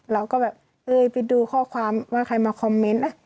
เราก็แบบเอ้ยไปดูข้อความว่าใครมาคอมเมนต์นะ